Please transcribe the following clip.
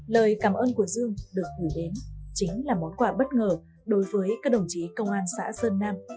lời cảm ơn của dương được gửi đến chính là món quà bất ngờ đối với các đồng chí công an xã sơn nam